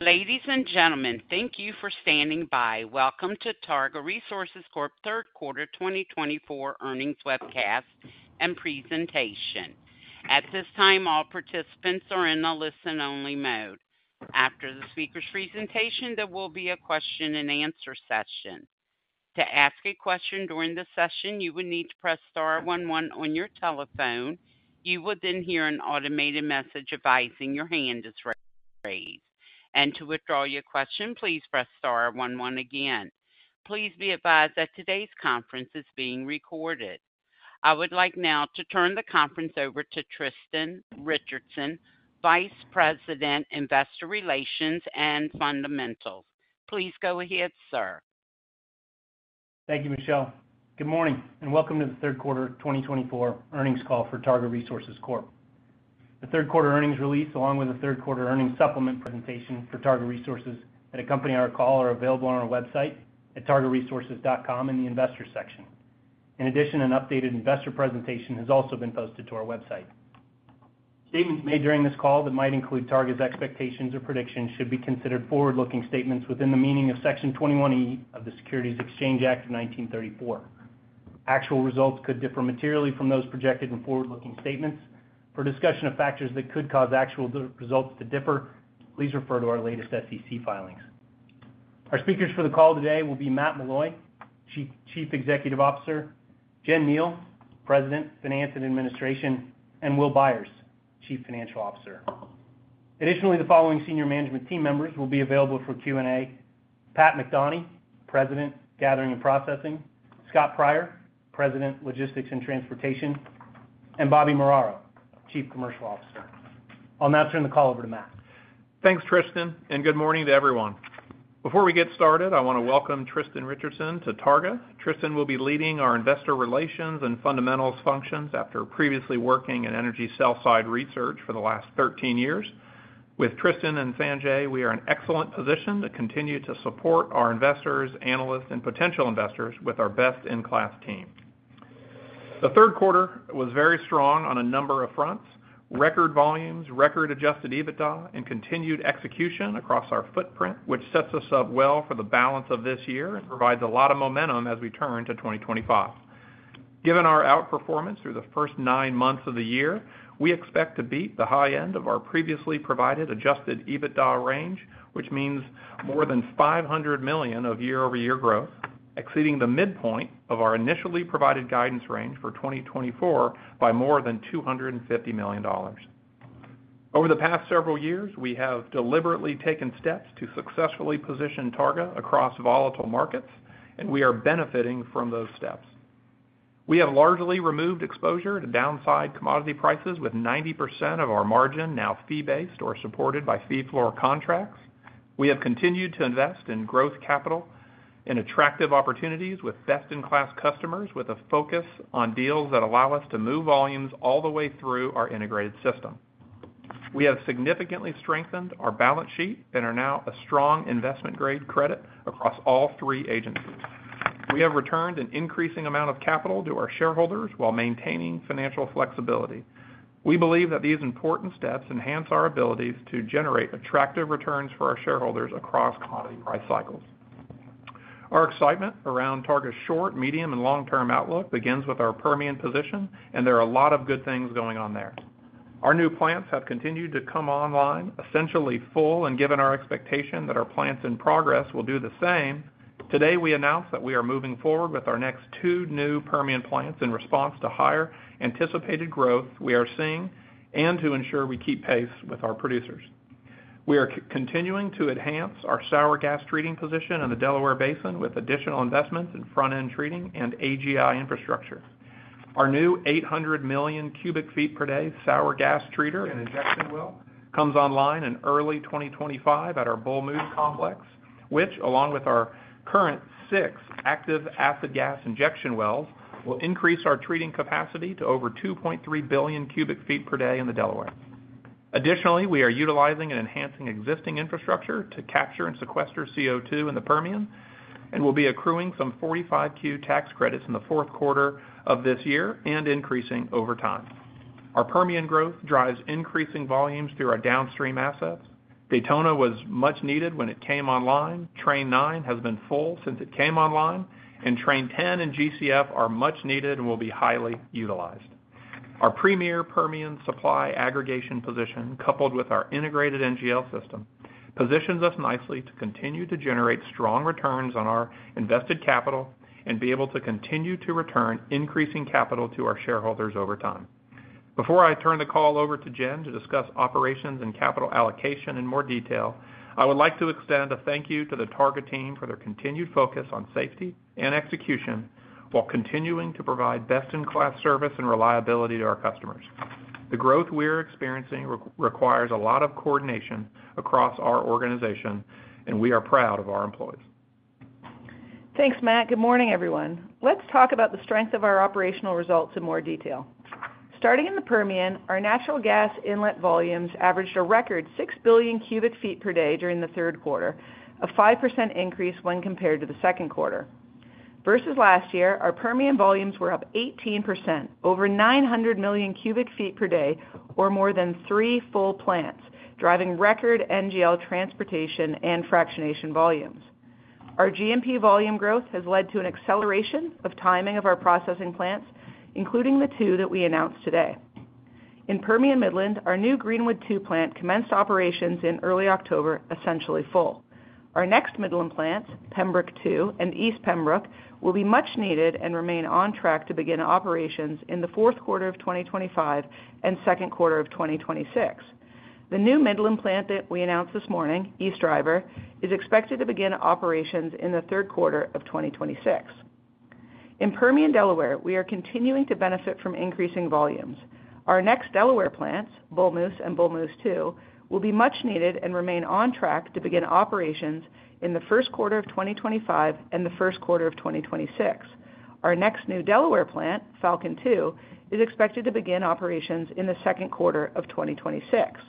Ladies and gentlemen, thank you for standing by. Welcome to Targa Resources Corp. Third Quarter 2024 Earnings Webcast and Presentation. At this time, all participants are in a listen-only mode. After the speaker's presentation, there will be a question-and-answer session. To ask a question during the session, you will need to press star one one on your telephone. You will then hear an automated message advising your hand is raised, and to withdraw your question, please press star one one again. Please be advised that today's conference is being recorded. I would like now to turn the conference over to Tristan Richardson, Vice President, Investor Relations and Fundamentals. Please go ahead, sir. Thank you, Michelle. Good morning and welcome to the Third Quarter 2024 Earnings Call for Targa Resources Corp. The Third Quarter Earnings release, along with the Third Quarter Earnings Supplement presentation for Targa Resources that accompany our call, are available on our website at targaresources.com in the Investor section. In addition, an updated Investor Presentation has also been posted to our website. Statements made during this call that might include Targa's expectations or predictions should be considered forward-looking statements within the meaning of Section 21E of the Securities Exchange Act of 1934. Actual results could differ materially from those projected in forward-looking statements. For discussion of factors that could cause actual results to differ, please refer to our latest SEC filings. Our speakers for the call today will be Matt Meloy, Chief Executive Officer, Jen Neale, President, Finance and Administration, and Will Byers, Chief Financial Officer. Additionally, the following senior management team members will be available for Q&A: Pat McDonie, President, Gathering and Processing, Scott Pryor, President, Logistics and Transportation, and Bobby Muraro, Chief Commercial Officer. I'll now turn the call over to Matt. Thanks, Tristan, and good morning to everyone. Before we get started, I want to welcome Tristan Richardson to Targa. Tristan will be leading our Investor Relations and Fundamentals functions after previously working in energy sell-side research for the last 13 years. With Tristan and Sanjay, we are in excellent position to continue to support our investors, analysts, and potential investors with our best-in-class team. The third quarter was very strong on a number of fronts: record volumes, record adjusted EBITDA, and continued execution across our footprint, which sets us up well for the balance of this year and provides a lot of momentum as we turn to 2025. Given our outperformance through the first nine months of the year, we expect to beat the high end of our previously provided Adjusted EBITDA range, which means more than $500 million of year-over-year growth, exceeding the midpoint of our initially provided guidance range for 2024 by more than $250 million. Over the past several years, we have deliberately taken steps to successfully position Targa across volatile markets, and we are benefiting from those steps. We have largely removed exposure to downside commodity prices with 90% of our margin now fee-based or supported by fee-floor contracts. We have continued to invest in growth capital in attractive opportunities with best-in-class customers, with a focus on deals that allow us to move volumes all the way through our integrated system. We have significantly strengthened our balance sheet and are now a strong investment-grade credit across all three agencies. We have returned an increasing amount of capital to our shareholders while maintaining financial flexibility. We believe that these important steps enhance our abilities to generate attractive returns for our shareholders across commodity price cycles. Our excitement around Targa's short, medium, and long-term outlook begins with our Permian position, and there are a lot of good things going on there. Our new plants have continued to come online, essentially full, and given our expectation that our plants in progress will do the same, today we announce that we are moving forward with our next two new Permian plants in response to higher anticipated growth we are seeing and to ensure we keep pace with our producers. We are continuing to enhance our sour gas treating position in the Delaware Basin with additional investments in front-end treating and AGI infrastructure. Our new 800 million cubic feet per day sour gas treater and injection well comes online in early 2025 at our Bull Moose Complex, which, along with our current six active acid gas injection wells, will increase our treating capacity to over 2.3 billion cubic feet per day in the Delaware. Additionally, we are utilizing and enhancing existing infrastructure to capture and sequester CO2 in the Permian and will be accruing some 45Q tax credits in the fourth quarter of this year and increasing over time. Our Permian growth drives increasing volumes through our downstream assets. Daytona was much needed when it came online. Train 9 has been full since it came online, and Train 10 and GCF are much needed and will be highly utilized. Our premier Permian supply aggregation position, coupled with our integrated NGL system, positions us nicely to continue to generate strong returns on our invested capital and be able to continue to return increasing capital to our shareholders over time. Before I turn the call over to Jen to discuss operations and capital allocation in more detail, I would like to extend a thank you to the Targa team for their continued focus on safety and execution while continuing to provide best-in-class service and reliability to our customers. The growth we are experiencing requires a lot of coordination across our organization, and we are proud of our employees. Thanks, Matt. Good morning, everyone. Let's talk about the strength of our operational results in more detail. Starting in the Permian, our natural gas inlet volumes averaged a record six billion cubic feet per day during the third quarter, a 5% increase when compared to the second quarter. Versus last year, our Permian volumes were up 18%, over 900 million cubic feet per day, or more than three full plants, driving record NGL transportation and fractionation volumes. Our G&P volume growth has led to an acceleration of timing of our processing plants, including the two that we announced today. In Permian Midland, our new Greenwood II plant commenced operations in early October, essentially full. Our next Midland plants, Pembroke II and East Pembroke, will be much needed and remain on track to begin operations in the fourth quarter of 2025 and second quarter of 2026. The new Midland plant that we announced this morning, East Driver, is expected to begin operations in the third quarter of 2026. In Permian, Delaware, we are continuing to benefit from increasing volumes. Our next Delaware plants, Bull Moose and Bull Moose II, will be much needed and remain on track to begin operations in the first quarter of 2025 and the first quarter of 2026. Our next new Delaware plant, Falcon II, is expected to begin operations in the second quarter of 2026.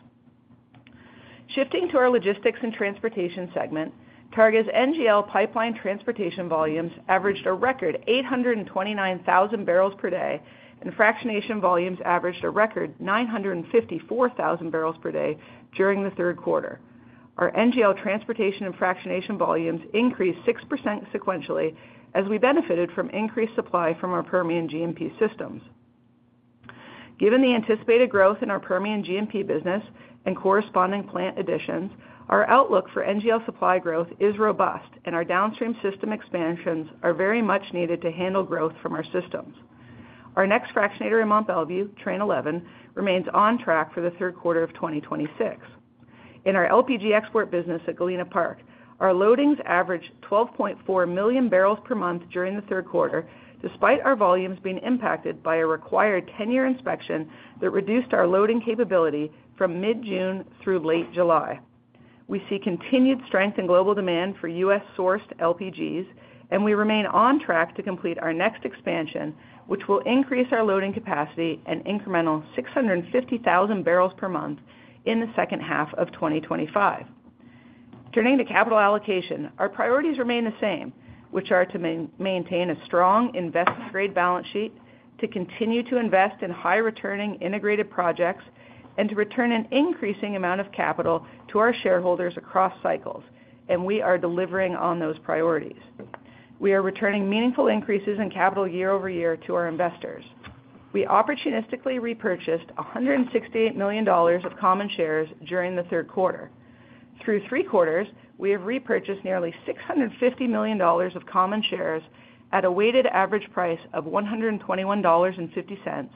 Shifting to our logistics and transportation segment, Targa's NGL pipeline transportation volumes averaged a record 829,000 barrels per day, and fractionation volumes averaged a record 954,000 barrels per day during the third quarter. Our NGL transportation and fractionation volumes increased 6% sequentially as we benefited from increased supply from our Permian GMP systems. Given the anticipated growth in our Permian GMP business and corresponding plant additions, our outlook for NGL supply growth is robust, and our downstream system expansions are very much needed to handle growth from our systems. Our next fractionator in Mont Belvieu, Train 11, remains on track for the third quarter of 2026. In our LPG export business at Galena Park, our loadings averaged 12.4 million barrels per month during the third quarter, despite our volumes being impacted by a required 10-year inspection that reduced our loading capability from mid-June through late July. We see continued strength in global demand for U.S.-sourced LPGs, and we remain on track to complete our next expansion, which will increase our loading capacity an incremental 650,000 barrels per month in the H2 of 2025. Turning to capital allocation, our priorities remain the same, which are to maintain a strong investment-grade balance sheet, to continue to invest in high-returning integrated projects, and to return an increasing amount of capital to our shareholders across cycles, and we are delivering on those priorities. We are returning meaningful increases in capital year-over-year to our investors. We opportunistically repurchased $168 million of common shares during the third quarter. Through three quarters, we have repurchased nearly $650 million of common shares at a weighted average price of $121.50,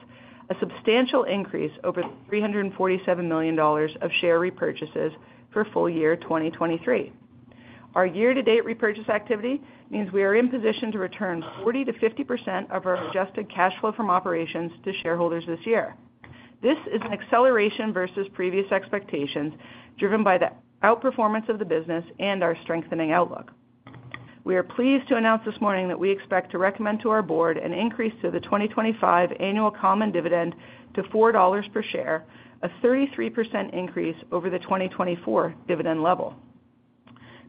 a substantial increase over $347 million of share repurchases for full year 2023. Our year-to-date repurchase activity means we are in position to return 40%-50% of our adjusted cash flow from operations to shareholders this year. This is an acceleration versus previous expectations driven by the outperformance of the business and our strengthening outlook. We are pleased to announce this morning that we expect to recommend to our board an increase to the 2025 annual common dividend to $4 per share, a 33% increase over the 2024 dividend level.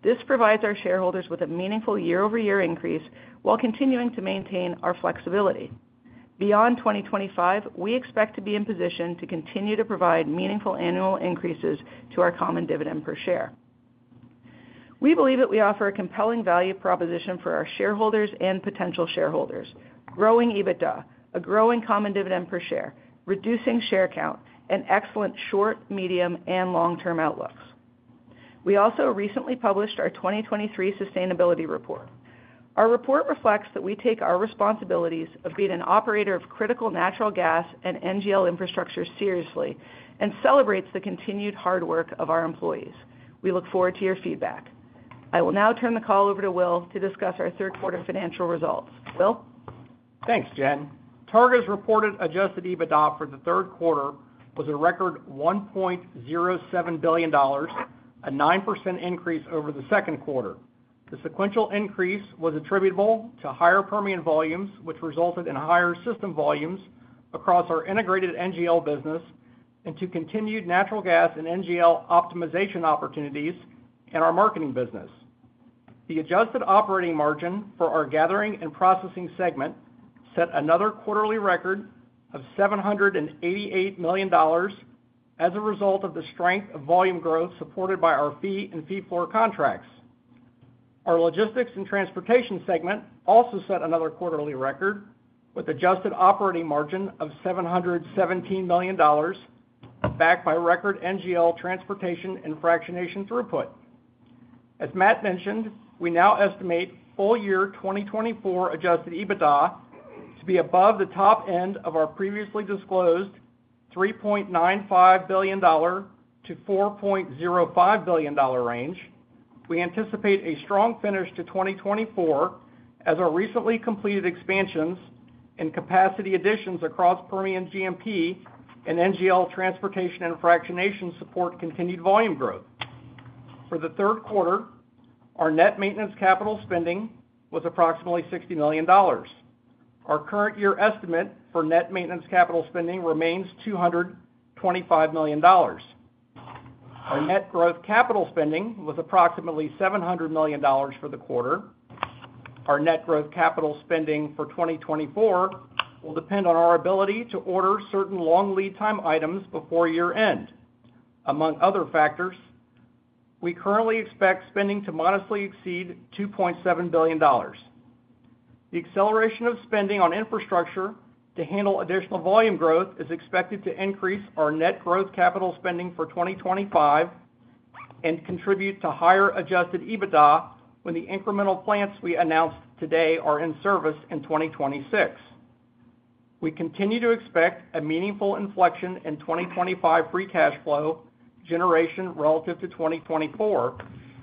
This provides our shareholders with a meaningful year-over-year increase while continuing to maintain our flexibility. Beyond 2025, we expect to be in position to continue to provide meaningful annual increases to our common dividend per share. We believe that we offer a compelling value proposition for our shareholders and potential shareholders: growing EBITDA, a growing common dividend per share, reducing share count, and excellent short, medium, and long-term outlooks. We also recently published our 2023 sustainability report. Our report reflects that we take our responsibilities of being an operator of critical natural gas and NGL infrastructure seriously and celebrates the continued hard work of our employees. We look forward to your feedback. I will now turn the call over to Will to discuss our third quarter financial results. Will? Thanks, Jen. Targa's reported adjusted EBITDA for the third quarter was a record $1.07 billion, a 9% increase over the second quarter. The sequential increase was attributable to higher Permian volumes, which resulted in higher system volumes across our integrated NGL business and to continued natural gas and NGL optimization opportunities in our marketing business. The adjusted operating margin for our gathering and processing segment set another quarterly record of $788 million as a result of the strength of volume growth supported by our fee and fee-floor contracts. Our logistics and transportation segment also set another quarterly record with adjusted operating margin of $717 million, backed by record NGL transportation and fractionation throughput. As Matt mentioned, we now estimate full year 2024 adjusted EBITDA to be above the top end of our previously disclosed $3.95 billion-$4.05 billion range. We anticipate a strong finish to 2024 as our recently completed expansions and capacity additions across Permian GMP and NGL transportation and fractionation support continued volume growth. For the third quarter, our net maintenance capital spending was approximately $60 million. Our current year estimate for net maintenance capital spending remains $225 million. Our net growth capital spending was approximately $700 million for the quarter. Our net growth capital spending for 2024 will depend on our ability to order certain long lead time items before year-end. Among other factors, we currently expect spending to modestly exceed $2.7 billion. The acceleration of spending on infrastructure to handle additional volume growth is expected to increase our net growth capital spending for 2025 and contribute to higher Adjusted EBITDA when the incremental plants we announced today are in service in 2026. We continue to expect a meaningful inflection in 2025 free cash flow generation relative to 2024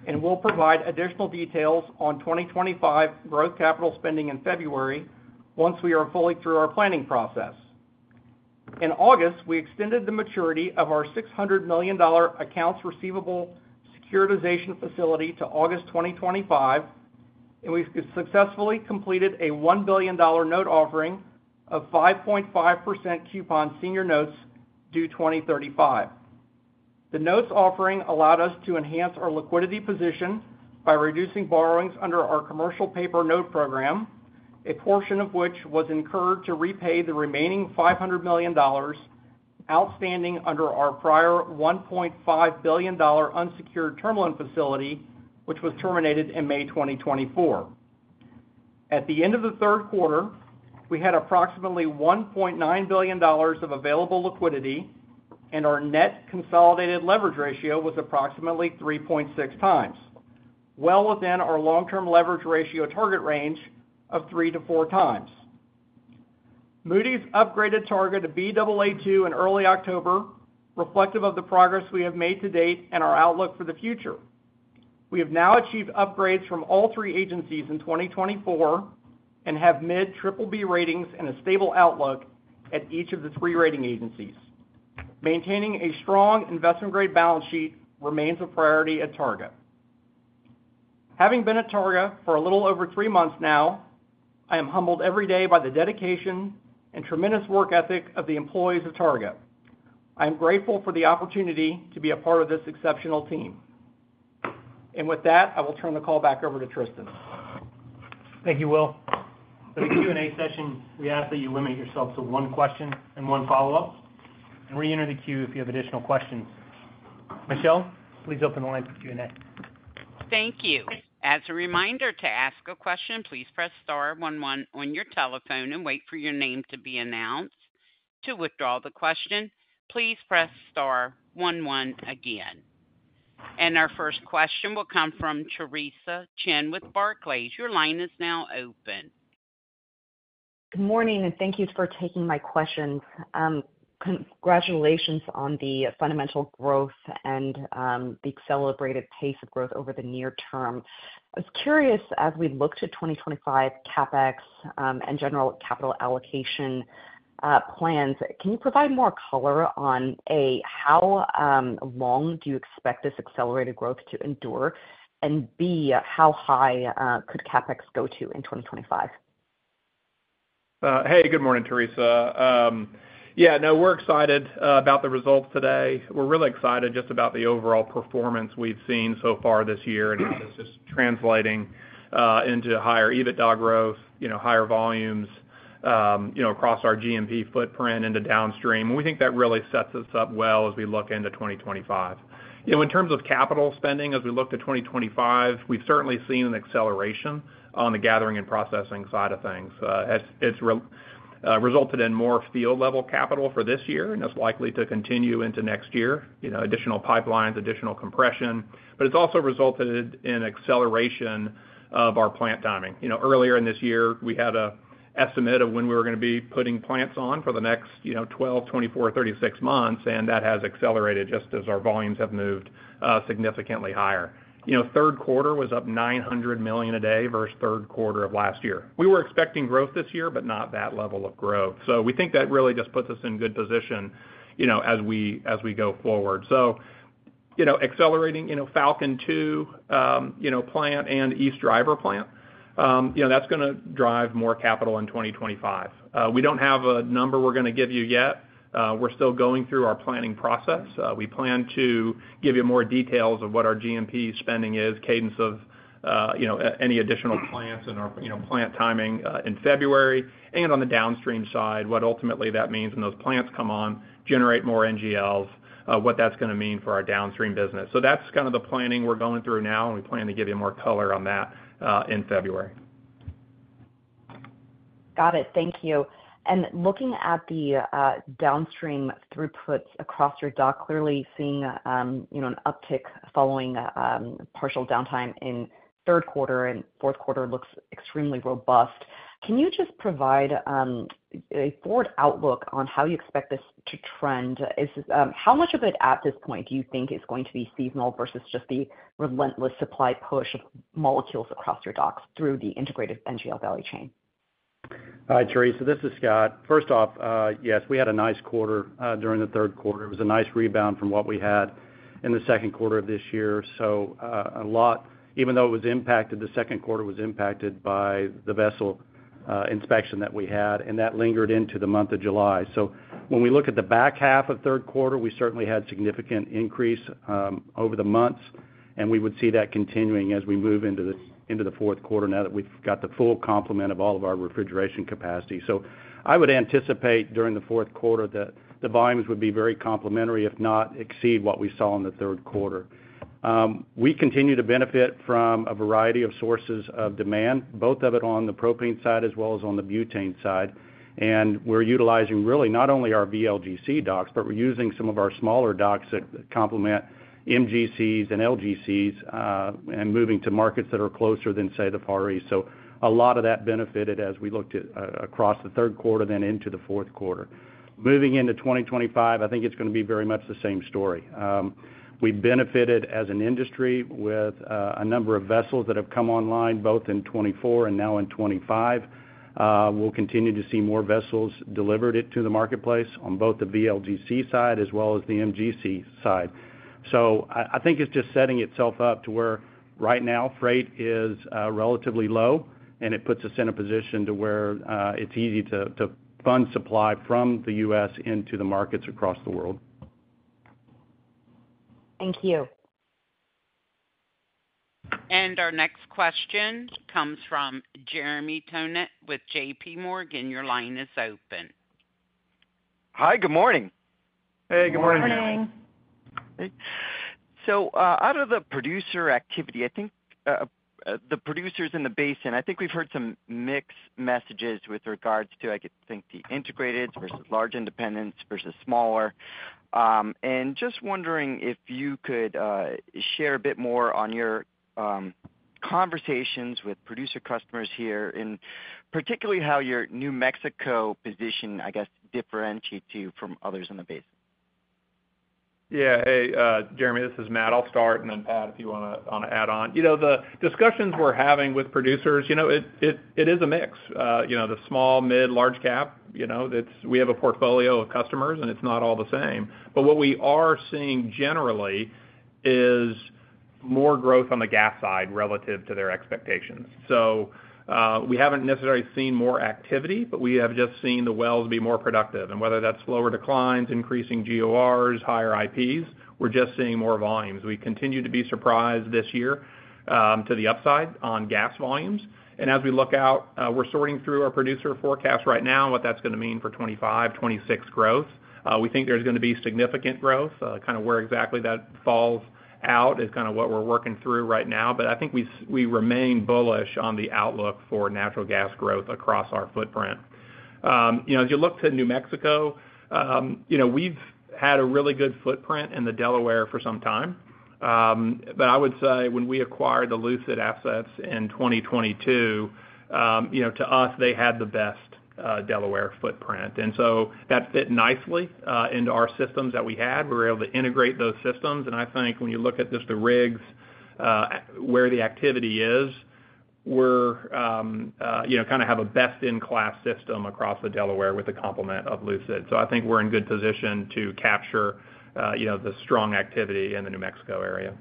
and will provide additional details on 2025 growth capital spending in February once we are fully through our planning process. In August, we extended the maturity of our $600 million accounts receivable securitization facility to August 2025, and we successfully completed a $1 billion note offering of 5.5% coupon senior notes due 2035. The notes offering allowed us to enhance our liquidity position by reducing borrowings under our commercial paper note program, a portion of which was incurred to repay the remaining $500 million outstanding under our prior $1.5 billion unsecured terminal facility, which was terminated in May 2024. At the end of the third quarter, we had approximately $1.9 billion of available liquidity, and our net consolidated leverage ratio was approximately 3.6 times, well within our long-term leverage ratio target range of three to four times. Moody's upgraded Targa to Baa2 in early October, reflective of the progress we have made to date and our outlook for the future. We have now achieved upgrades from all three agencies in 2024 and have mid BBB ratings and a stable outlook at each of the three rating agencies. Maintaining a strong investment-grade balance sheet remains a priority at Targa. Having been at Targa for a little over three months now, I am humbled every day by the dedication and tremendous work ethic of the employees of Targa. I am grateful for the opportunity to be a part of this exceptional team. With that, I will turn the call back over to Tristan. Thank you, Will. For the Q&A session, we ask that you limit yourself to one question and one follow-up, and reenter the queue if you have additional questions. Michelle, please open the line for Q&A. Thank you. As a reminder to ask a question, please press star one one on your telephone and wait for your name to be announced. To withdraw the question, please press star one one again. And our first question will come from Theresa Chen with Barclays. Your line is now open. Good morning, and thank you for taking my questions. Congratulations on the fundamental growth and the accelerated pace of growth over the near term. I was curious, as we look to 2025 CapEx and general capital allocation plans, can you provide more color on A, how long do you expect this accelerated growth to endure, and B, how high could CapEx go to in 2025? Hey, good morning, Teresa. Yeah, no, we're excited about the results today. We're really excited just about the overall performance we've seen so far this year, and it's just translating into higher EBITDA growth, higher volumes across our GMP footprint into downstream. We think that really sets us up well as we look into 2025. In terms of capital spending, as we look to 2025, we've certainly seen an acceleration on the gathering and processing side of things. It's resulted in more field-level capital for this year, and it's likely to continue into next year, additional pipelines, additional compression, but it's also resulted in acceleration of our plant timing. Earlier in this year, we had an estimate of when we were going to be putting plants on for the next 12, 24, 36 months, and that has accelerated just as our volumes have moved significantly higher. Third quarter was up 900 million a day versus third quarter of last year. We were expecting growth this year, but not that level of growth. So we think that really just puts us in good position as we go forward. So accelerating Falcon II plant and East Driver plant, that's going to drive more capital in 2025. We don't have a number we're going to give you yet. We're still going through our planning process. We plan to give you more details of what our G&P spending is, cadence of any additional plants and our plant timing in February, and on the downstream side, what ultimately that means when those plants come on, generate more NGLs, what that's going to mean for our downstream business. So that's kind of the planning we're going through now, and we plan to give you more color on that in February. Got it. Thank you. And looking at the downstream throughputs across your dock, clearly seeing an uptick following partial downtime in third quarter, and fourth quarter looks extremely robust. Can you just provide a forward outlook on how you expect this to trend? How much of it at this point do you think is going to be seasonal versus just the relentless supply push of molecules across your docks through the integrated NGL value chain? Hi, Teresa. This is Scott. First off, yes, we had a nice quarter during the third quarter. It was a nice rebound from what we had in the second quarter of this year. So, a lot, even though it was impacted, the second quarter was impacted by the vessel inspection that we had, and that lingered into the month of July. So, when we look at the back half of third quarter, we certainly had significant increase over the months, and we would see that continuing as we move into the fourth quarter now that we've got the full complement of all of our refrigeration capacity. So, I would anticipate during the fourth quarter that the volumes would be very comparable, if not exceed what we saw in the third quarter. We continue to benefit from a variety of sources of demand, both of it on the propane side as well as on the butane side. And we're utilizing really not only our VLGC docks, but we're using some of our smaller docks that complement MGCs and LGCs and moving to markets that are closer than, say, Asia. So a lot of that benefited as we looked across the third quarter then into the fourth quarter. Moving into 2025, I think it's going to be very much the same story. We've benefited as an industry with a number of vessels that have come online both in 2024 and now in 2025. We'll continue to see more vessels delivered to the marketplace on both the VLGC side as well as the MGC side. So I think it's just setting itself up to where right now freight is relatively low, and it puts us in a position to where it's easy to fund supply from the U.S. into the markets across the world. Thank you. Our next question comes from Jeremy Tonet with JPMorgan. Your line is open. Hi, good morning. Hey, good morning, Jeremy. Good morning. So out of the producer activity, I think the producers in the basin, I think we've heard some mixed messages with regards to, I think, the integrated versus large independents versus smaller. And just wondering if you could share a bit more on your conversations with producer customers here and particularly how your New Mexico position, I guess, differentiates you from others in the basin? Yeah. Hey, Jeremy, this is Matt. I'll start, and then Pat, if you want to add on. The discussions we're having with producers, it is a mix. The small, mid, large cap, we have a portfolio of customers, and it's not all the same. But what we are seeing generally is more growth on the gas side relative to their expectations. So we haven't necessarily seen more activity, but we have just seen the wells be more productive. And whether that's slower declines, increasing GORs, higher IPs, we're just seeing more volumes. We continue to be surprised this year to the upside on gas volumes. And as we look out, we're sorting through our producer forecast right now and what that's going to mean for 2025, 2026 growth. We think there's going to be significant growth. Kind of where exactly that falls out is kind of what we're working through right now. But I think we remain bullish on the outlook for natural gas growth across our footprint. As you look to New Mexico, we've had a really good footprint in the Delaware for some time. But I would say when we acquired the Lucid assets in 2022, to us, they had the best Delaware footprint. And so that fit nicely into our systems that we had. We were able to integrate those systems. And I think when you look at just the rigs, where the activity is, we kind of have a best-in-class system across the Delaware with the complement of Lucid. So I think we're in good position to capture the strong activity in the New Mexico area.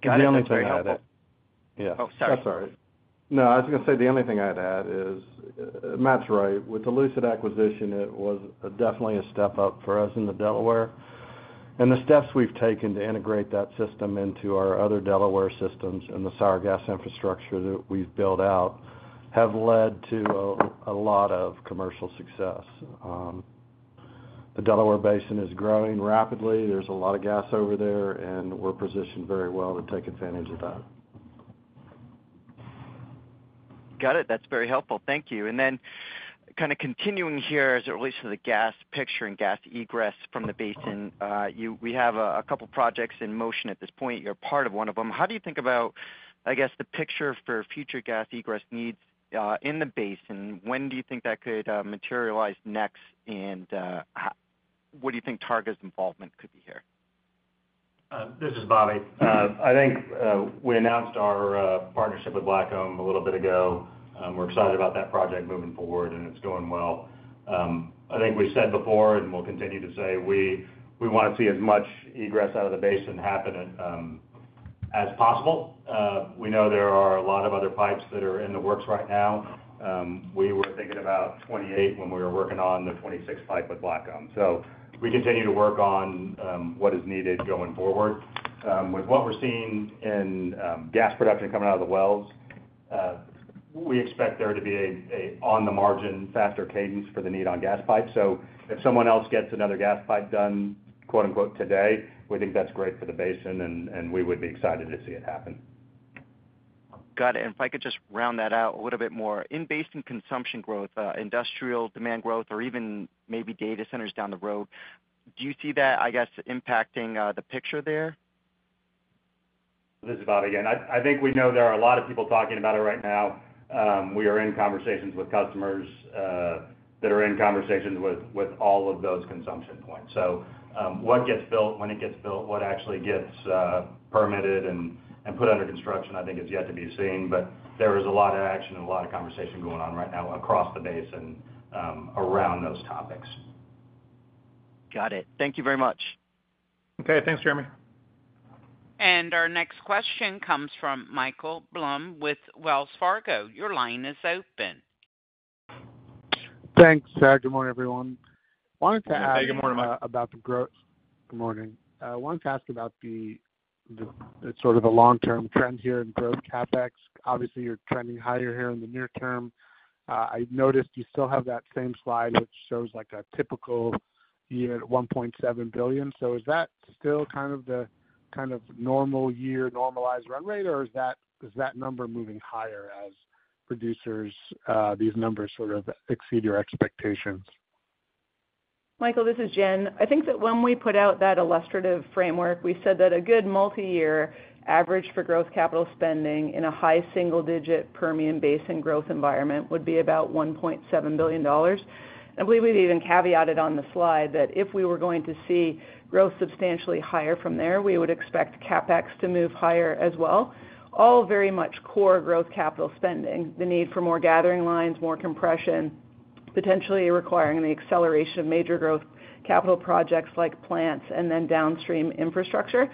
Got it. The only thing I had. Oh, sorry. No, I was going to say the only thing I had to add is Matt's right. With the Lucid acquisition, it was definitely a step up for us in the Delaware. And the steps we've taken to integrate that system into our other Delaware systems and the sour gas infrastructure that we've built out have led to a lot of commercial success. The Delaware Basin is growing rapidly. There's a lot of gas over there, and we're positioned very well to take advantage of that. Got it. That's very helpful. Thank you. And then kind of continuing here as it relates to the gas picture and gas egress from the basin, we have a couple of projects in motion at this point. You're part of one of them. How do you think about, I guess, the picture for future gas egress needs in the basin? When do you think that could materialize next, and what do you think Targa's involvement could be here? This is Bobby. I think we announced our partnership with Blackcomb a little bit ago. We're excited about that project moving forward, and it's going well. I think we've said before, and we'll continue to say, we want to see as much egress out of the basin happen as possible. We know there are a lot of other pipes that are in the works right now. We were thinking about 28 when we were working on the 26 pipe with Blackcomb. So we continue to work on what is needed going forward. With what we're seeing in gas production coming out of the wells, we expect there to be an on-the-margin faster cadence for the need on gas pipes. So if someone else gets another gas pipe done, quote-unquote, "today," we think that's great for the basin, and we would be excited to see it happen. Got it. And if I could just round that out a little bit more. In basin consumption growth, industrial demand growth, or even maybe data centers down the road, do you see that, I guess, impacting the picture there? This is Bob again. I think we know there are a lot of people talking about it right now. We are in conversations with customers that are in conversations with all of those consumption points. So what gets built, when it gets built, what actually gets permitted and put under construction, I think is yet to be seen. But there is a lot of action and a lot of conversation going on right now across the basin around those topics. Got it. Thank you very much. Okay. Thanks, Jeremy. Our next question comes from Michael Blum with Wells Fargo. Your line is open. Thanks, Scott. Good morning, everyone. Wanted to ask about the growth. Hey, good morning, Mike. Good morning. I wanted to ask about sort of the long-term trend here in growth CapEx. Obviously, you're trending higher here in the near term. I noticed you still have that same slide which shows a typical year at $1.7 billion. So is that still kind of the kind of normal year, normalized run rate, or is that number moving higher as producers, these numbers sort of exceed your expectations? Michael, this is Jen. I think that when we put out that illustrative framework, we said that a good multi-year average for growth capital spending in a high single-digit Permian Basin growth environment would be about $1.7 billion, and I believe we even caveated on the slide that if we were going to see growth substantially higher from there, we would expect CapEx to move higher as well. All very much core growth capital spending, the need for more gathering lines, more compression, potentially requiring the acceleration of major growth capital projects like plants and then downstream infrastructure,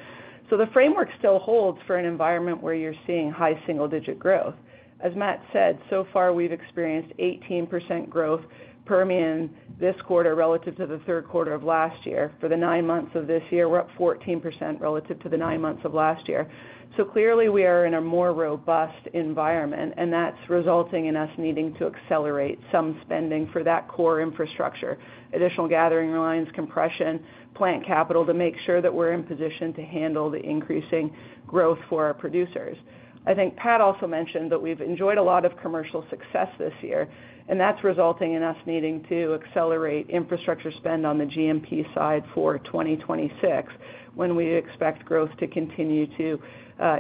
so the framework still holds for an environment where you're seeing high single-digit growth. As Matt said, so far, we've experienced 18% growth Permian this quarter relative to the third quarter of last year. For the nine months of this year, we're up 14% relative to the nine months of last year. So clearly, we are in a more robust environment, and that's resulting in us needing to accelerate some spending for that core infrastructure, additional gathering lines, compression, plant capital to make sure that we're in position to handle the increasing growth for our producers. I think Pat also mentioned that we've enjoyed a lot of commercial success this year, and that's resulting in us needing to accelerate infrastructure spend on the GMP side for 2026 when we expect growth to continue to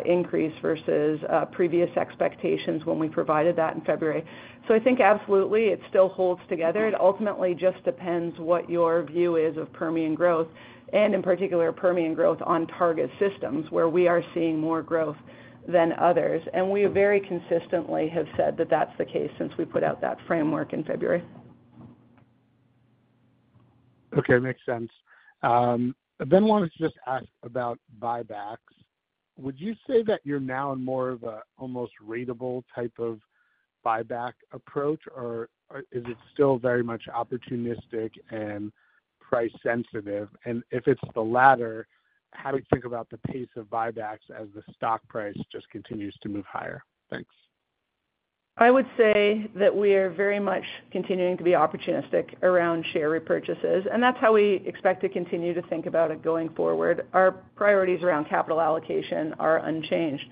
increase versus previous expectations when we provided that in February. So I think absolutely it still holds together. It ultimately just depends what your view is of Permian growth, and in particular, Permian growth on target systems where we are seeing more growth than others. And we very consistently have said that that's the case since we put out that framework in February. Okay. Makes sense. Then I wanted to just ask about buybacks. Would you say that you're now in more of an almost routinized type of buyback approach, or is it still very much opportunistic and price-sensitive? And if it's the latter, how do you think about the pace of buybacks as the stock price just continues to move higher? Thanks. I would say that we are very much continuing to be opportunistic around share repurchases, and that's how we expect to continue to think about it going forward. Our priorities around capital allocation are unchanged.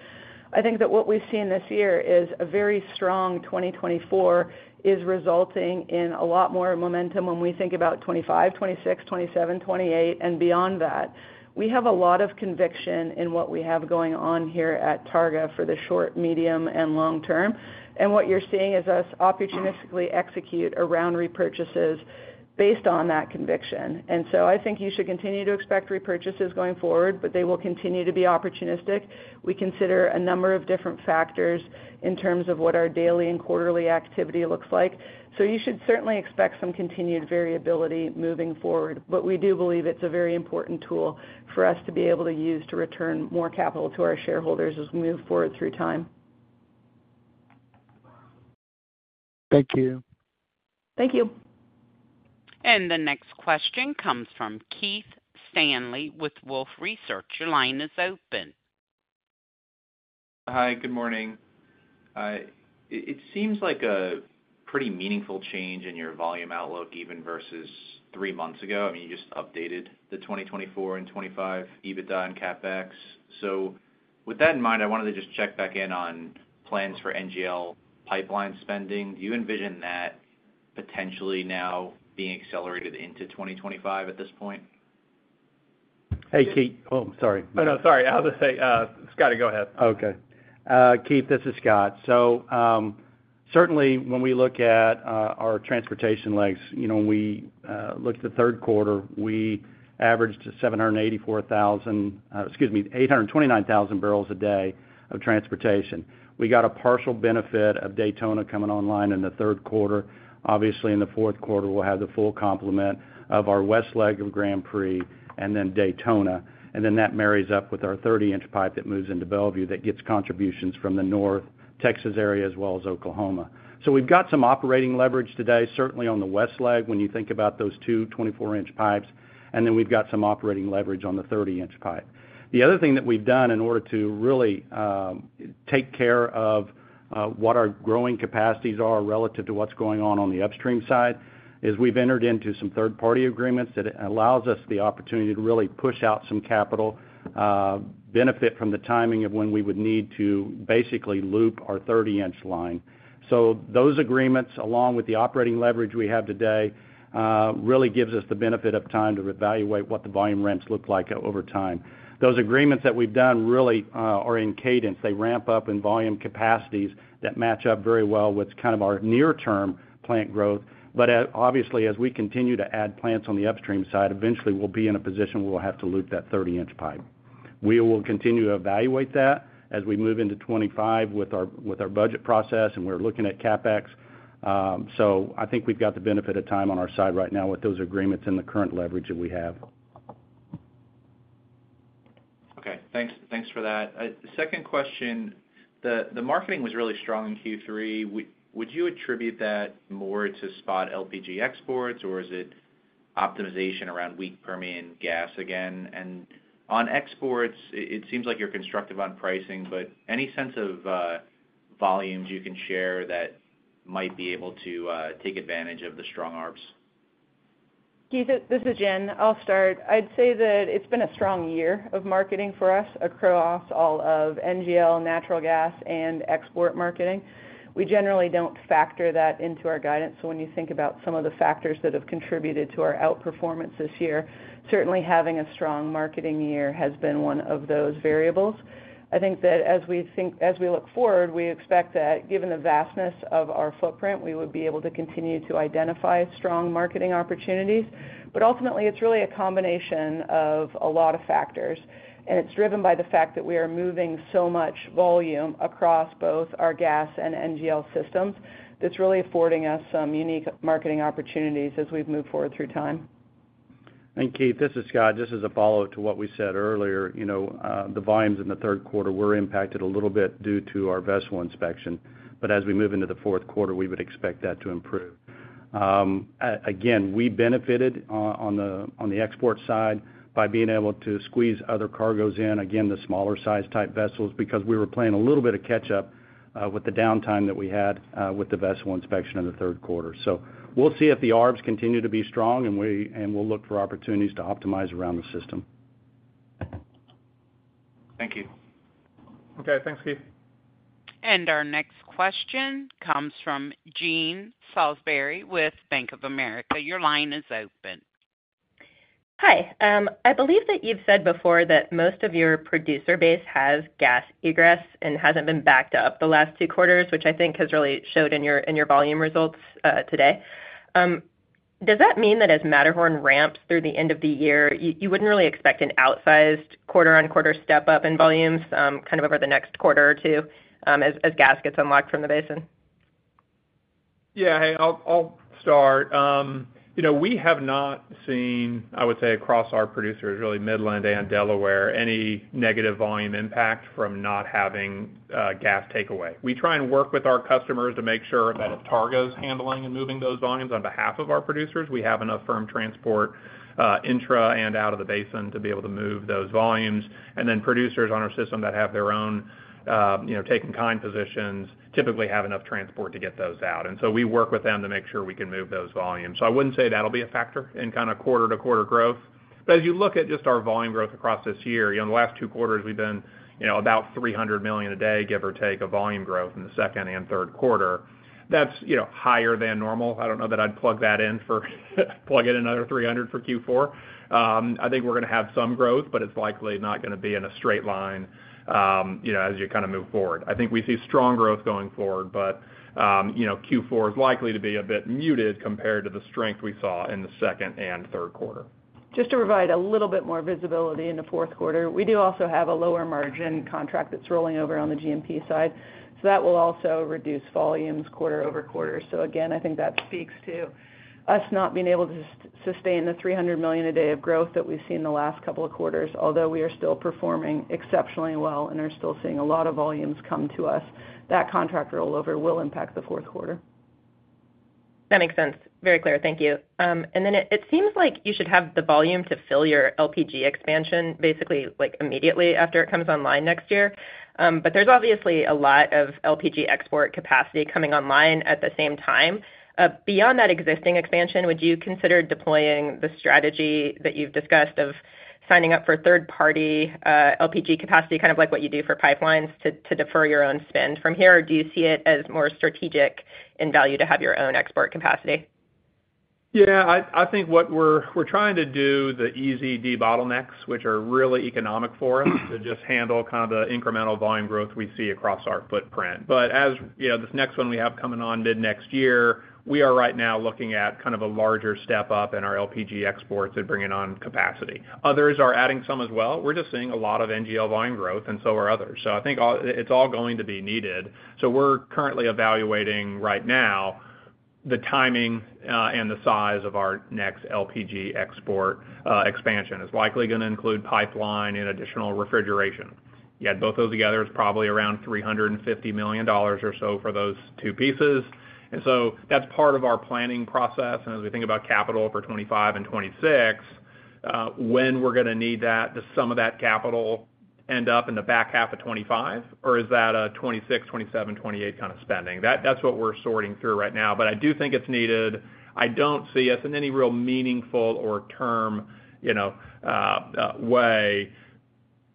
I think that what we've seen this year is a very strong 2024 is resulting in a lot more momentum when we think about 2025, 2026, 2027, 2028, and beyond that. We have a lot of conviction in what we have going on here at Targa for the short, medium, and long term, and what you're seeing is us opportunistically execute around repurchases based on that conviction, and so I think you should continue to expect repurchases going forward, but they will continue to be opportunistic. We consider a number of different factors in terms of what our daily and quarterly activity looks like, so you should certainly expect some continued variability moving forward. But we do believe it's a very important tool for us to be able to use to return more capital to our shareholders as we move forward through time. Thank you. Thank you. And the next question comes from Keith Stanley with Wolfe Research. Your line is open. Hi, good morning. It seems like a pretty meaningful change in your volume outlook even versus three months ago. I mean, you just updated the 2024 and 2025 EBITDA and CapEx. So with that in mind, I wanted to just check back in on plans for NGL pipeline spending. Do you envision that potentially now being accelerated into 2025 at this point? Hey, Keith. Oh, I'm sorry. Oh, no, sorry. I was going to say, Scott, go ahead. Okay. Keith, this is Scott. So certainly, when we look at our transportation legs, when we looked at the third quarter, we averaged 784,000, excuse me, 829,000 barrels a day of transportation. We got a partial benefit of Daytona coming online in the third quarter. Obviously, in the fourth quarter, we'll have the full complement of our west leg of Grand Prix and then Daytona. And then that marries up with our 30-inch pipe that moves into Mont Belvieu that gets contributions from the North Texas area as well as Oklahoma. So we've got some operating leverage today, certainly on the west leg when you think about those two 24-inch pipes. And then we've got some operating leverage on the 30-inch pipe. The other thing that we've done in order to really take care of what our growing capacities are relative to what's going on on the upstream side is we've entered into some third-party agreements that allows us the opportunity to really push out some capital, benefit from the timing of when we would need to basically loop our 30-inch line. So those agreements, along with the operating leverage we have today, really gives us the benefit of time to evaluate what the volume trends look like over time. Those agreements that we've done really are in cadence. They ramp up in volume capacities that match up very well with kind of our near-term plant growth. But obviously, as we continue to add plants on the upstream side, eventually, we'll be in a position where we'll have to loop that 30-inch pipe. We will continue to evaluate that as we move into 2025 with our budget process, and we're looking at CapEx. So I think we've got the benefit of time on our side right now with those agreements and the current leverage that we have. Okay. Thanks for that. Second question. The marketing was really strong in Q3. Would you attribute that more to spot LPG exports, or is it optimization around weak Permian gas again? And on exports, it seems like you're constructive on pricing, but any sense of volumes you can share that might be able to take advantage of the strong ARBs? Keith, this is Jen. I'll start. I'd say that it's been a strong year of marketing for us across all of NGL, natural gas, and export marketing. We generally don't factor that into our guidance. So when you think about some of the factors that have contributed to our outperformance this year, certainly having a strong marketing year has been one of those variables. I think that as we look forward, we expect that given the vastness of our footprint, we would be able to continue to identify strong marketing opportunities. But ultimately, it's really a combination of a lot of factors. And it's driven by the fact that we are moving so much volume across both our gas and NGL systems. That's really affording us some unique marketing opportunities as we've moved forward through time. Keith, this is Scott. Just as a follow-up to what we said earlier, the volumes in the third quarter were impacted a little bit due to our vessel inspection. But as we move into the fourth quarter, we would expect that to improve. Again, we benefited on the export side by being able to squeeze other cargoes in, again, the smaller-sized type vessels because we were playing a little bit of catch-up with the downtime that we had with the vessel inspection in the third quarter. So we'll see if the ARBs continue to be strong, and we'll look for opportunities to optimize around the system. Thank you. Okay. Thanks, Keith. And our next question comes from Jean Salisbury with Bank of America. Your line is open. Hi. I believe that you've said before that most of your producer base has gas egress and hasn't been backed up the last two quarters, which I think has really showed in your volume results today. Does that mean that as Matterhorn ramps through the end of the year, you wouldn't really expect an outsized quarter-on-quarter step-up in volumes kind of over the next quarter or two as gas gets unlocked from the basin? Yeah. Hey, I'll start. We have not seen, I would say, across our producers, really Midland and Delaware, any negative volume impact from not having gas takeaway. We try and work with our customers to make sure that if Targa is handling and moving those volumes on behalf of our producers, we have enough firm transport intra and out of the basin to be able to move those volumes. And then producers on our system that have their own take-or-pay positions typically have enough transport to get those out. And so we work with them to make sure we can move those volumes. So I wouldn't say that'll be a factor in kind of quarter-to-quarter growth. As you look at just our volume growth across this year, in the last two quarters, we've been about 300 million a day, give or take, of volume growth in the second and third quarter. That's higher than normal. I don't know that I'd plug that in for another 300 for Q4. I think we're going to have some growth, but it's likely not going to be in a straight line as you kind of move forward. I think we see strong growth going forward, but Q4 is likely to be a bit muted compared to the strength we saw in the second and third quarter. Just to provide a little bit more visibility in the fourth quarter, we do also have a lower margin contract that's rolling over on the GMP side. So that will also reduce volumes quarter over quarter. So again, I think that speaks to us not being able to sustain the 300 million a day of growth that we've seen the last couple of quarters. Although we are still performing exceptionally well and are still seeing a lot of volumes come to us, that contract rollover will impact the fourth quarter. That makes sense. Very clear. Thank you. And then it seems like you should have the volume to fill your LPG expansion basically immediately after it comes online next year. But there's obviously a lot of LPG export capacity coming online at the same time. Beyond that existing expansion, would you consider deploying the strategy that you've discussed of signing up for third-party LPG capacity, kind of like what you do for pipelines, to defer your own spend from here? Or do you see it as more strategic in value to have your own export capacity? Yeah. I think what we're trying to do, the easy debottlenecks, which are really economic for us to just handle kind of the incremental volume growth we see across our footprint. But as this next one we have coming on mid-next year, we are right now looking at kind of a larger step-up in our LPG exports and bringing on capacity. Others are adding some as well. We're just seeing a lot of NGL volume growth, and so are others. So I think it's all going to be needed. So we're currently evaluating right now the timing and the size of our next LPG export expansion. It's likely going to include pipeline and additional refrigeration. You had both of those together. It's probably around $350 million or so for those two pieces. And so that's part of our planning process. And as we think about capital for 2025 and 2026, when we're going to need that, does some of that capital end up in the back half of 2025, or is that a 2026, 2027, 2028 kind of spending? That's what we're sorting through right now. But I do think it's needed. I don't see us in any real meaningful long-term way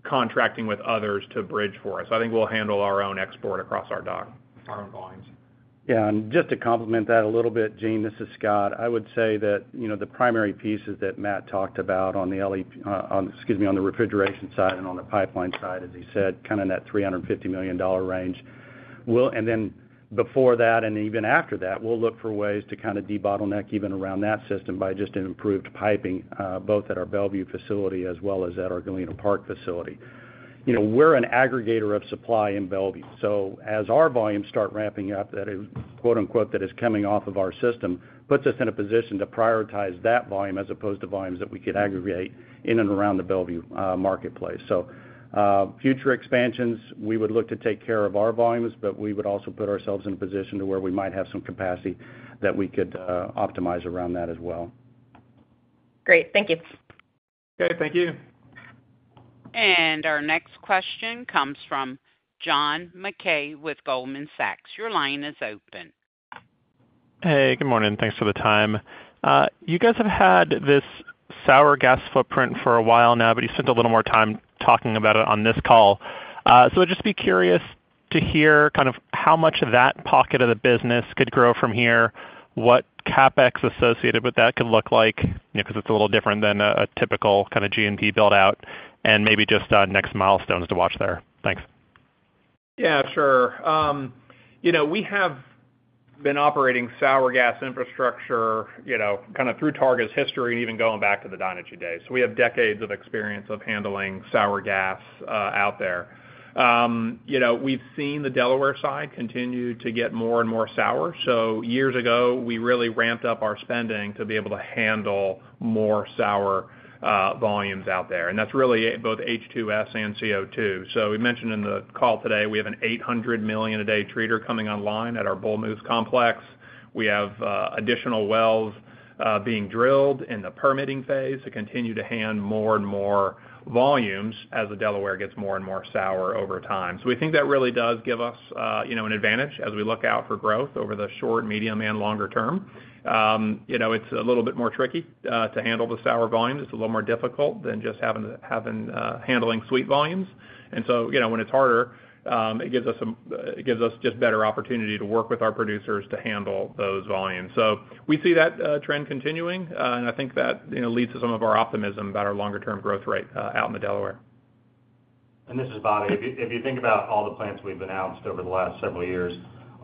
contracting with others to bridge for us. I think we'll handle our own export across our dock, our own volumes. Yeah. And just to complement that a little bit, Jean, this is Scott. I would say that the primary pieces that Matt talked about on the, excuse me, on the refrigeration side and on the pipeline side, as he said, kind of in that $350 million range. And then before that and even after that, we'll look for ways to kind of debottleneck even around that system by just improved piping, both at our Mont Belvieu facility as well as at our Galena Park facility. We're an aggregator of supply in Mont Belvieu. So as our volumes start ramping up, that is, quote-unquote, "coming off of our system," puts us in a position to prioritize that volume as opposed to volumes that we could aggregate in and around the Mont Belvieu marketplace. So future expansions, we would look to take care of our volumes, but we would also put ourselves in a position to where we might have some capacity that we could optimize around that as well. Great. Thank you. Okay. Thank you. Our next question comes from John MacKay with Goldman Sachs. Your line is open. Hey, good morning. Thanks for the time. You guys have had this sour gas footprint for a while now, but you spent a little more time talking about it on this call. So I'd just be curious to hear kind of how much of that pocket of the business could grow from here, what CapEx associated with that could look like, because it's a little different than a typical kind of GMP buildout, and maybe just next milestones to watch there. Thanks. Yeah, sure. We have been operating sour gas infrastructure kind of through Targa's history and even going back to the Dynegy days. So we have decades of experience of handling sour gas out there. We've seen the Delaware side continue to get more and more sour. So years ago, we really ramped up our spending to be able to handle more sour volumes out there. And that's really both H2S and CO2. So we mentioned in the call today, we have an 800 million a day treater coming online at our Bull Moose Complex. We have additional wells being drilled in the permitting phase to continue to handle more and more volumes as the Delaware gets more and more sour over time. So we think that really does give us an advantage as we look out for growth over the short, medium, and longer term. It's a little bit more tricky to handle the sour volumes. It's a little more difficult than just handling sweet volumes. And so when it's harder, it gives us just better opportunity to work with our producers to handle those volumes. So we see that trend continuing, and I think that leads to some of our optimism about our longer-term growth rate out in the Delaware. This is Bobby. If you think about all the plants we've announced over the last several years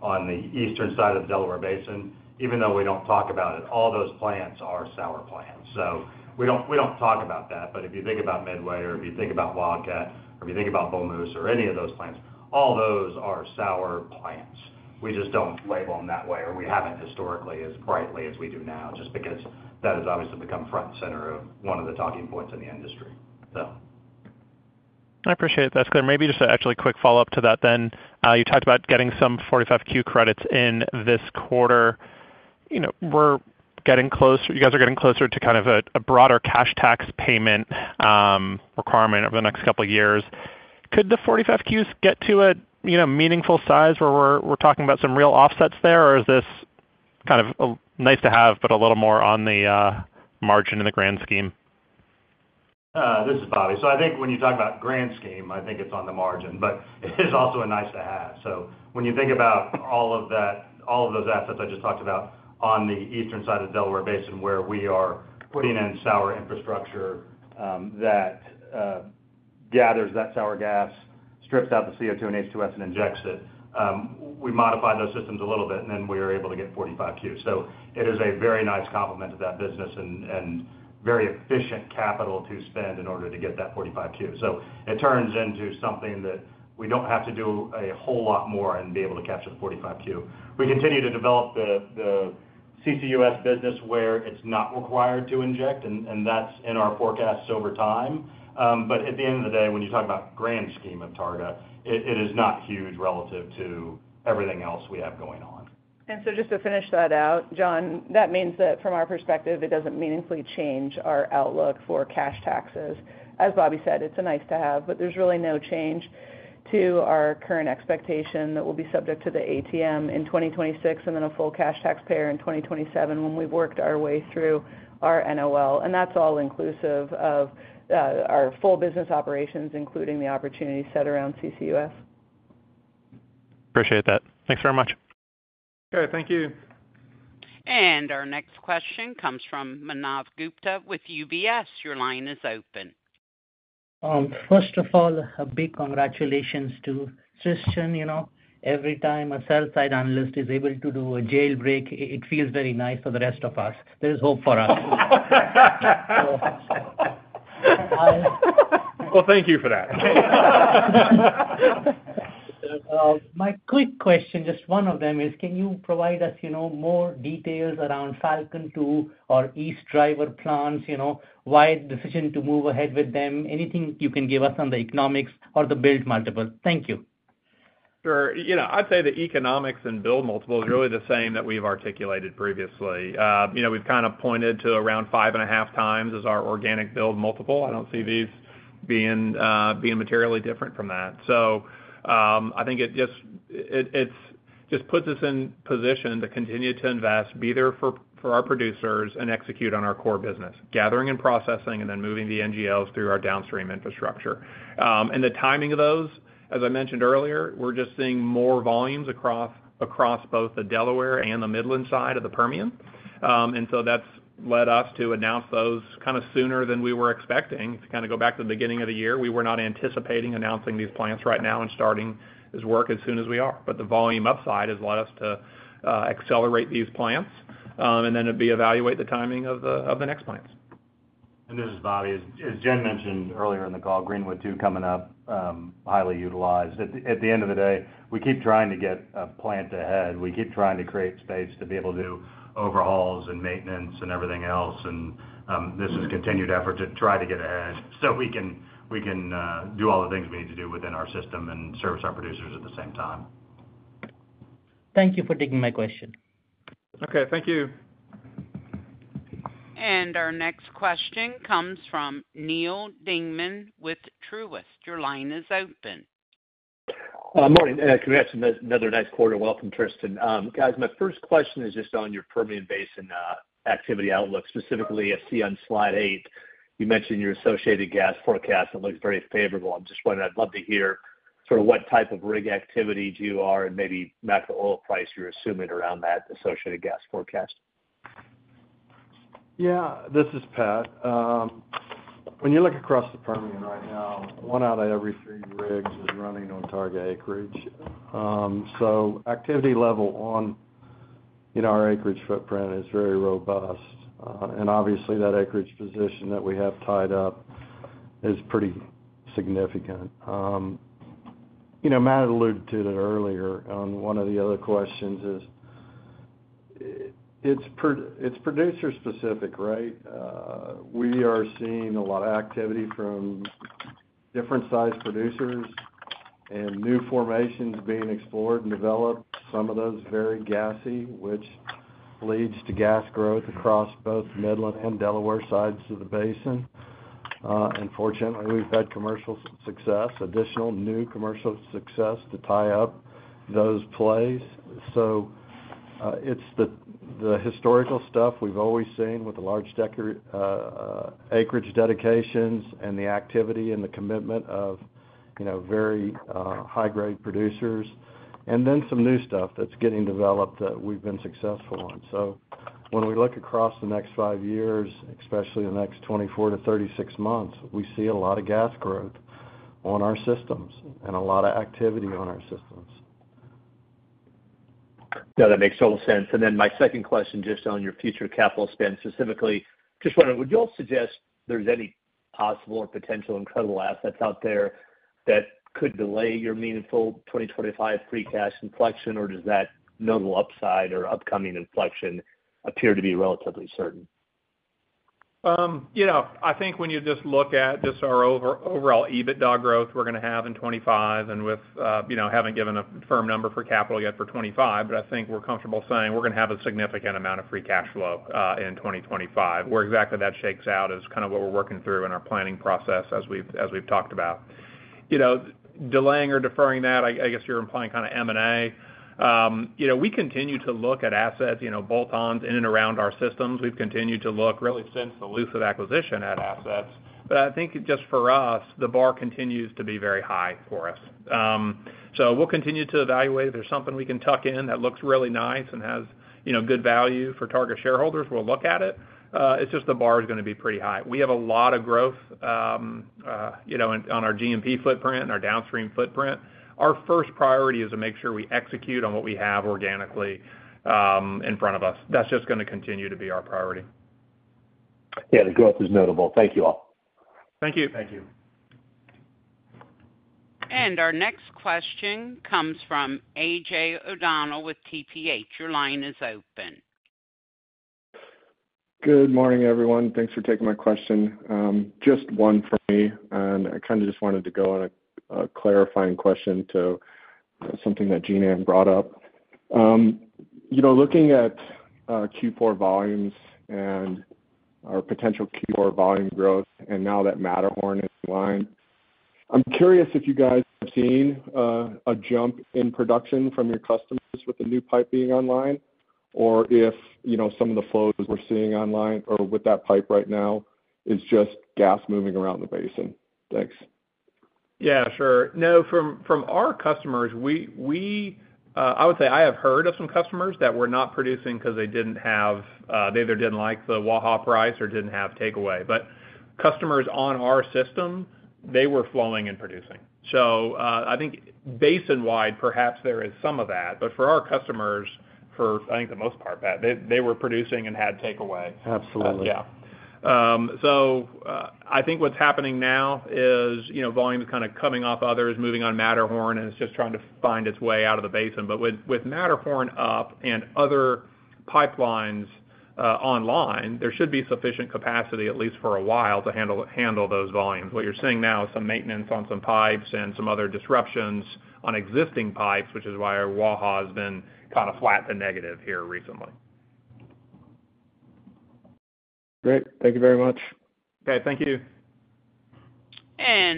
on the eastern side of the Delaware Basin, even though we don't talk about it, all those plants are sour plants. So we don't talk about that. But if you think about Midway, or if you think about Wildcat, or if you think about Bull Moose, or any of those plants, all those are sour plants. We just don't label them that way, or we haven't historically as brightly as we do now, just because that has obviously become front and center of one of the talking points in the industry, so. I appreciate that. That's good. Maybe just an actually quick follow-up to that then. You talked about getting some 45Q credits in this quarter. We're getting closer. You guys are getting closer to kind of a broader cash tax payment requirement over the next couple of years. Could the 45Qs get to a meaningful size where we're talking about some real offsets there, or is this kind of a nice-to-have but a little more on the margin in the grand scheme? This is Bobby. So I think when you talk about grand scheme, I think it's on the margin, but it is also a nice-to-have. So when you think about all of those assets I just talked about on the eastern side of the Delaware Basin where we are putting in sour infrastructure that gathers that sour gas, strips out the CO2 and H2S, and injects it, we modify those systems a little bit, and then we are able to get 45Q. So it is a very nice complement to that business and very efficient capital to spend in order to get that 45Q. So it turns into something that we don't have to do a whole lot more and be able to capture the 45Q. We continue to develop the CCUS business where it's not required to inject, and that's in our forecasts over time. But at the end of the day, when you talk about grand scheme of Targa, it is not huge relative to everything else we have going on. And so just to finish that out, John, that means that from our perspective, it doesn't meaningfully change our outlook for cash taxes. As Bobby said, it's a nice-to-have, but there's really no change to our current expectation that we'll be subject to the AMT in 2026 and then a full cash tax payer in 2027 when we've worked our way through our NOL. And that's all inclusive of our full business operations, including the opportunities set around CCUS. Appreciate that. Thanks very much. Okay. Thank you. And our next question comes from Manav Gupta with UBS. Your line is open. First of all, a big congratulations to Tristan. Every time a sell-side analyst is able to do a jailbreak, it feels very nice for the rest of us. There is hope for us. Well, thank you for that. My quick question, just one of them is, can you provide us more details around Falcon II or East Driver plants, why the decision to move ahead with them, anything you can give us on the economics or the build multiple? Thank you. Sure. I'd say the economics and build multiple is really the same that we've articulated previously. We've kind of pointed to around five and a half times as our organic build multiple. I don't see these being materially different from that. So I think it just puts us in position to continue to invest, be there for our producers, and execute on our core business, gathering and processing, and then moving the NGLs through our downstream infrastructure. And the timing of those, as I mentioned earlier, we're just seeing more volumes across both the Delaware and the Midland side of the Permian. And so that's led us to announce those kind of sooner than we were expecting. If you kind of go back to the beginning of the year, we were not anticipating announcing these plants right now and starting this work as soon as we are. But the volume upside has led us to accelerate these plants and then to be evaluating the timing of the next plants. And this is Bobby. As Jen mentioned earlier in the call, Greenwood II coming up, highly utilized. At the end of the day, we keep trying to get a plant ahead. We keep trying to create space to be able to do overhauls and maintenance and everything else. And this is a continued effort to try to get ahead so we can do all the things we need to do within our system and service our producers at the same time. Thank you for taking my question. Okay. Thank you. And our next question comes from Neal Dingmann with Truist. Your line is open. Morning. Congrats on another nice quarter. Welcome, Tristan. Guys, my first question is just on your Permian Basin activity outlook, specifically I see on slide 8, you mentioned your associated gas forecast. It looks very favorable. I'm just wondering, I'd love to hear sort of what type of rig activity do you see and maybe macro oil price you're assuming around that associated gas forecast. Yeah. This is Pat. When you look across the Permian right now, one out of every three rigs is running on Targa acreage. So activity level on our acreage footprint is very robust. And obviously, that acreage position that we have tied up is pretty significant. Matt alluded to it earlier on one of the other questions. It's producer-specific, right? We are seeing a lot of activity from different size producers and new formations being explored and developed. Some of those are very gassy, which leads to gas growth across both Midland and Delaware sides of the basin. Unfortunately, we've had commercial success, additional new commercial success to tie up those plays. So it's the historical stuff we've always seen with the large acreage dedications and the activity and the commitment of very high-grade producers, and then some new stuff that's getting developed that we've been successful on. So when we look across the next five years, especially the next 24 to 36 months, we see a lot of gas growth on our systems and a lot of activity on our systems. Yeah. That makes total sense. And then my second question just on your future capital spend specifically, just wondering, would y'all suggest there's any possible or potential incredible assets out there that could delay your meaningful 2025 free cash inflection, or does that nodal upside or upcoming inflection appear to be relatively certain? I think when you just look at just our overall EBITDA growth we're going to have in 2025 and we haven't given a firm number for capital yet for 2025, but I think we're comfortable saying we're going to have a significant amount of free cash flow in 2025. Where exactly that shakes out is kind of what we're working through in our planning process as we've talked about. Delaying or deferring that, I guess you're implying kind of M&A. We continue to look at assets, bolt-ons in and around our systems. We've continued to look really since the Lucid acquisition at assets. But I think just for us, the bar continues to be very high for us, so we'll continue to evaluate if there's something we can tuck in that looks really nice and has good value for Targa shareholders. We'll look at it. It's just the bar is going to be pretty high. We have a lot of growth on our GMP footprint and our downstream footprint. Our first priority is to make sure we execute on what we have organically in front of us. That's just going to continue to be our priority. Yeah. The growth is notable. Thank you all. Thank you. Thank you. Our next question comes from AJ O'Donnell with TPH. Your line is open. Good morning, everyone. Thanks for taking my question. Just one for me, and I kind of just wanted to go on a clarifying question to something that Jen brought up. Looking at Q4 volumes and our potential Q4 volume growth and now that Matterhorn is online, I'm curious if you guys have seen a jump in production from your customers with the new pipe being online or if some of the flows we're seeing online or with that pipe right now is just gas moving around the basin? Thanks. Yeah, sure. No, from our customers, I would say I have heard of some customers that were not producing because they either didn't like the Waha price or didn't have takeaway. But customers on our system, they were flowing and producing. So I think basin-wide, perhaps there is some of that. But for our customers, for I think the most part, Pat, they were producing and had takeaway. Absolutely. Yeah. So I think what's happening now is volume is kind of coming off others, moving on Matterhorn, and it's just trying to find its way out of the basin. But with Matterhorn up and other pipelines online, there should be sufficient capacity at least for a while to handle those volumes. What you're seeing now is some maintenance on some pipes and some other disruptions on existing pipes, which is why our Waha has been kind of flat to negative here recently. Great. Thank you very much. Okay. Thank you.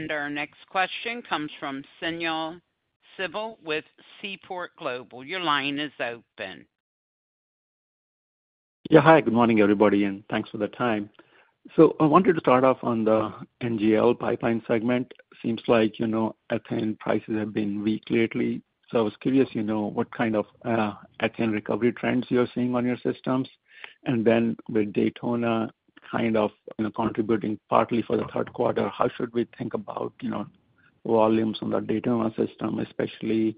Our next question comes from Sunil Sibal with Seaport Global. Your line is open. Yeah. Hi. Good morning, everybody, and thanks for the time. So I wanted to start off on the NGL pipeline segment. Seems like ethane prices have been weak lately. So I was curious what kind of ethane recovery trends you're seeing on your systems. And then with Daytona kind of contributing partly for the third quarter, how should we think about volumes on the Daytona system, especially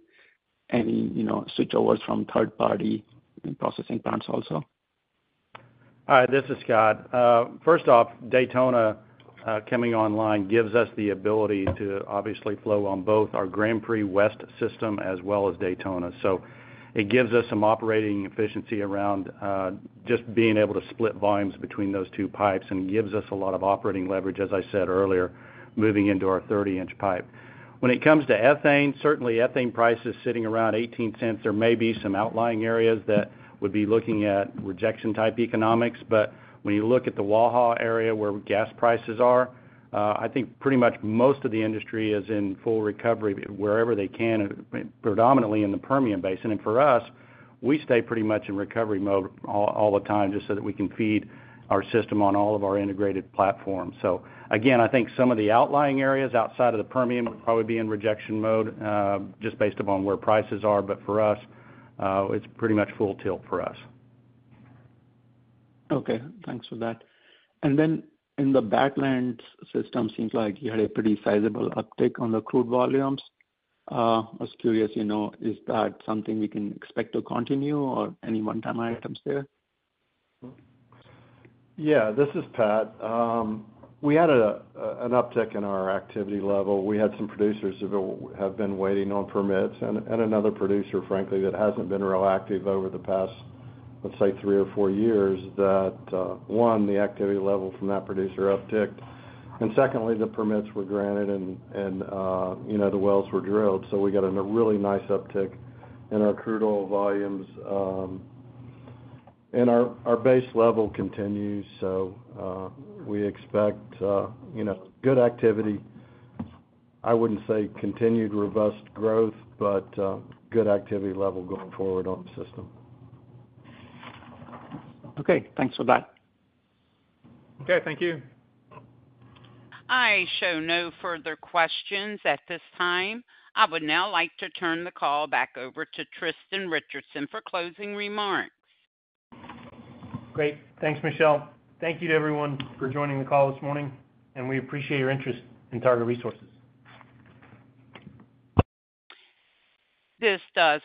any switchovers from third-party processing plants also? Hi. This is Scott. First off, Daytona coming online gives us the ability to obviously flow on both our Grand Prix West system as well as Daytona. So it gives us some operating efficiency around just being able to split volumes between those two pipes and gives us a lot of operating leverage, as I said earlier, moving into our 30-inch pipe. When it comes to ethane, certainly ethane price is sitting around $0.18. There may be some outlying areas that would be looking at rejection-type economics. But when you look at the Waha area where gas prices are, I think pretty much most of the industry is in full recovery wherever they can, predominantly in the Permian Basin. And for us, we stay pretty much in recovery mode all the time just so that we can feed our system on all of our integrated platforms. So again, I think some of the outlying areas outside of the Permian would probably be in rejection mode just based upon where prices are. But for us, it's pretty much full tilt for us. Okay. Thanks for that. And then in the Badlands system, seems like you had a pretty sizable uptick on the crude volumes. I was curious, is that something we can expect to continue or any one-time items there? Yeah. This is Pat. We had an uptick in our activity level. We had some producers that have been waiting on permits and another producer, frankly, that hasn't been real active over the past, let's say, three or four years, that one, the activity level from that producer upticked, and secondly, the permits were granted and the wells were drilled, so we got a really nice uptick in our crude oil volumes. And our base level continues, so we expect good activity. I wouldn't say continued robust growth, but good activity level going forward on the system. Okay. Thanks for that. Okay. Thank you. I show no further questions at this time. I would now like to turn the call back over to Tristan Richardson for closing remarks. Great. Thanks, Michelle. Thank you to everyone for joining the call this morning, and we appreciate your interest in Targa Resources. This does.